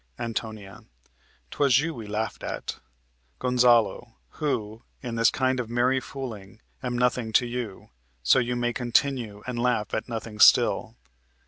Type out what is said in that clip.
Ant. 'Twas you we laughed at. Gon. Who, in this kind of merry fooling, am nothing to you; so you may continue and laugh at nothing still."